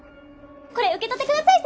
これ受け取ってください